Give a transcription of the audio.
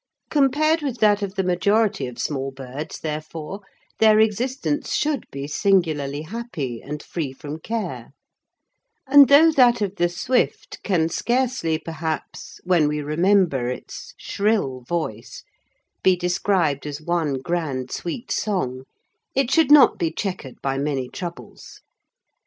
Compared with that of the majority of small birds, therefore, their existence should be singularly happy and free from care; and though that of the swift can scarcely, perhaps, when we remember its shrill voice, be described as one grand sweet song, it should not be chequered by many troubles.